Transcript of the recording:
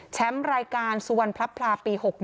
รายการสุวรรณพลับพลาปี๖๑